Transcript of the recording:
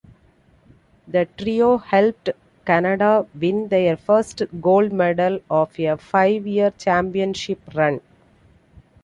The trio helped Canada win their first gold medal of a five-year championship run.